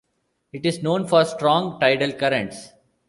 It is known for strong tidal currents.